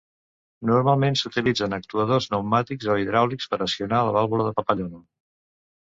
Normalment s'utilitzen actuadors pneumàtics o hidràulics per accionar la vàlvula de papallona.